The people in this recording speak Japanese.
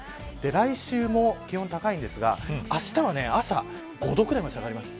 来週も気温高いんですがあしたは、朝５度ぐらいまで下がります。